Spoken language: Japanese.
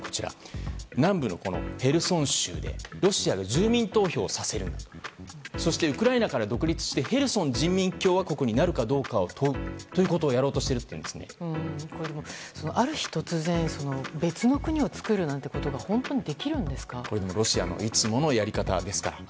南部のヘルソン州でロシアが住民投票させるそして、ウクライナから独立してヘルソン人民共和国になるかを問うということをある日、突然別の国を造るなんてことがこれもロシアのいつものやり方ですから。